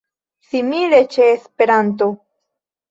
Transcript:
Simile ĉe Esperanto.